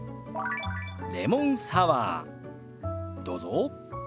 「レモンサワー」どうぞ。